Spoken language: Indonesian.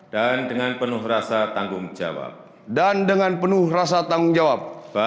dan dengan penuh rasa tanggung jawab